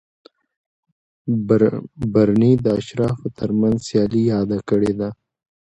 برني د اشرافو ترمنځ سیالي یاده کړې ده.